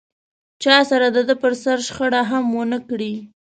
چا سره دده پر سر شخړه هم و نه کړي.